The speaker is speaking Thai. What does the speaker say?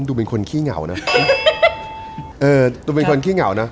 คูมเป็นนี้ทุกคน